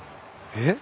えっ？